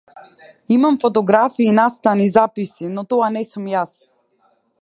Имам фотографии, настани, записи, но тоа не сум јас.